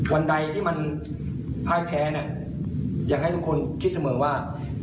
วันใดที่มันพ่ายแพ้เนี่ยอยากให้ทุกคนคิดเสมอว่า